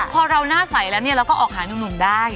พอเราหน้าใสแล้วเนี่ยเราก็ออกหานุ่มได้